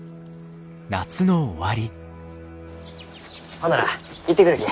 ほんなら行ってくるき。